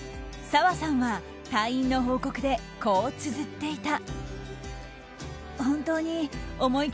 砂羽さんは退院の報告で、こうつづっていた。